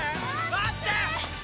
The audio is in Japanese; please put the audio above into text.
待ってー！